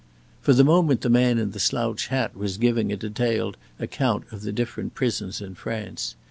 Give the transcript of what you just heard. For the moment the man in the slouch hat was giving a detailed account of the different prisons in France.